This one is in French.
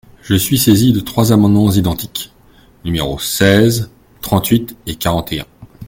Je suis saisi de trois amendements identiques, numéros seize, trente-huit et quarante et un.